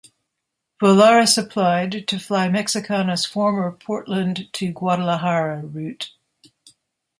Volaris applied to fly Mexicana's former Portland to Guadalajara route.